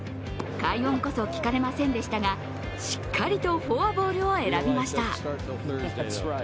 快音こそ聞かれませんでしたが、しっかりとフォアボールを選びました。